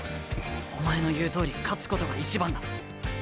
お前の言うとおり勝つことが一番だ。